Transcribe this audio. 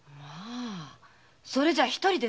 それじゃ一人でずっと？